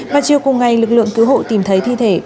và chiều cùng ngày lực lượng cứu hộ tìm thấy thi thể